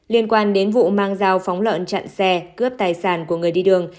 liên quan đến vụ mang dao phóng lợn chặn xe cướp tài sản của người đi đường